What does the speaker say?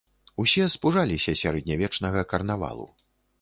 Усе спужаліся сярэднявечнага карнавалу.